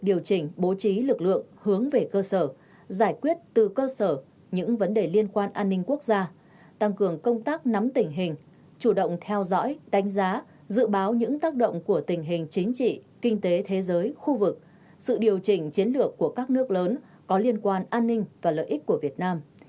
điều chỉnh bố trí lực lượng hướng về cơ sở giải quyết từ cơ sở những vấn đề liên quan an ninh quốc gia tăng cường công tác nắm tình hình chủ động theo dõi đánh giá dự báo những tác động của tình hình chính trị kinh tế thế giới khu vực sự điều chỉnh chiến lược của các nước lớn có liên quan an ninh và lợi ích của việt nam